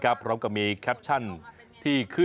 ก็อย่าลืมให้กำลังใจเมย์ในรายการต่อไปนะคะ